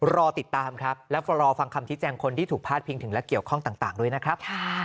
รอติดตามครับแล้วก็รอฟังคำชี้แจงคนที่ถูกพาดพิงถึงและเกี่ยวข้องต่างด้วยนะครับ